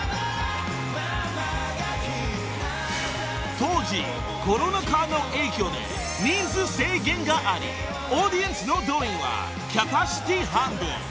［当時コロナ禍の影響で人数制限がありオーディエンスの動員はキャパシティー半分］